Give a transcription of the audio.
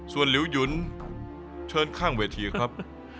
ส่วนหลิวหยุนเชิญข้างเวทีครับ